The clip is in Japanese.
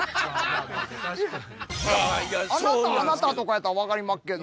「あなたあなた」とかやったら分かりまっけど。